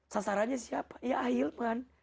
sasarannya siapa ya ahil man